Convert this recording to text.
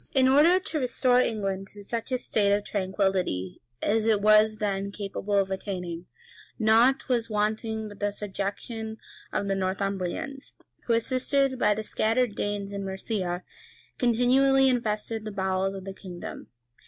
] In order to restore England to such a state of tranquillity as it was then capable of attaining, nought was wanting but the subjection of the Northumbrians, who, assisted by the scattered Danes in Mercia, continually infested the bowels of the kingdom.